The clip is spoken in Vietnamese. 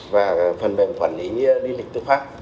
và phần mềm quản lý lý lịch tư pháp